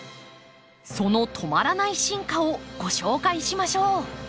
その止まらない進化をご紹介しましょう。